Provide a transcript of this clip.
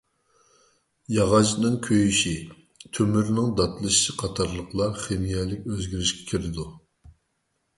ياغاچنىڭ كۆيۈشى، تۆمۈرنىڭ داتلىشىشى قاتارلىقلار خىمىيەلىك ئۆزگىرىشكە كىرىدۇ.